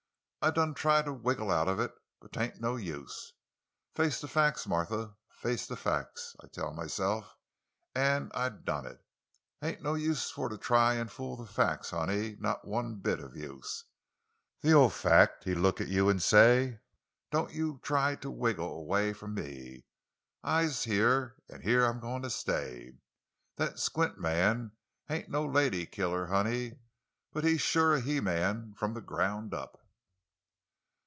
I done try to wiggle out of it—but 'tain't no use. Face the fac's, Martha, face the fac's, I tell myself—an' I done it. Ain't no use for to try an' fool the fac's, honey—not one bit of use! The ol' fac' he look at you an' say: 'Doan you try to wiggle 'way from me; I's heah, an' heah I's goin' to stay!' That Squint man ain't no lady killer, honey, but he's shuah a he man from the groun' up!"